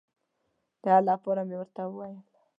د حل لپاره مې ورته وویل.